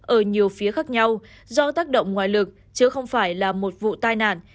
ở nhiều phía khác nhau do tác động ngoài lực chứ không phải là một vụ tai nạn